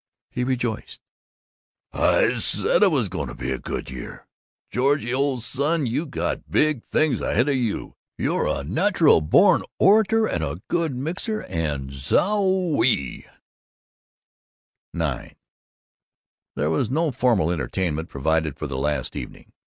He rejoiced, "I said it was going to be a great year! Georgie, old son, you got big things ahead of you! You're a natural born orator and a good mixer and Zowie!" IX There was no formal entertainment provided for the last evening.